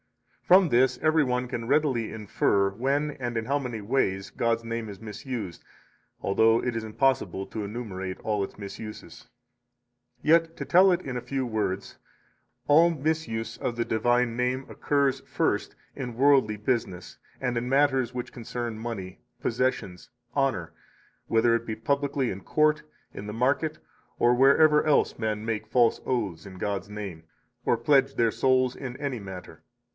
53 From this every one can readily infer when and in how many ways God's name is misused, although it is impossible to enumerate all its misuses. Yet, to tell it in a few words, all misuse of the divine name occurs, first, in worldly business and in matters which concern money, possessions, honor, whether it be publicly in court, in the market, or wherever else men make false oaths in God's name, or pledge their souls in any matter.